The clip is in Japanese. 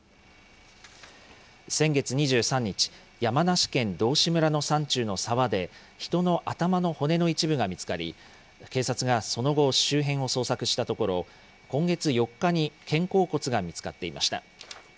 先月２３日、山梨県道志村の山中の沢で、人の頭の骨の一部が見つかり、警察がその後、周辺を捜索したところ、今月４日に肩甲骨が見つかっていました。